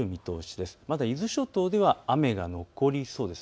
まだ伊豆諸島では雨が残りそうです。